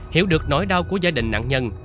hiểu được nỗi đau của gia đình nạn nhân